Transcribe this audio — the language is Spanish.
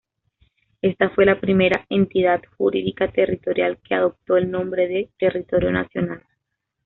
Esta fue la primera entidad jurídica territorial que adoptó el nombre de "territorio nacional".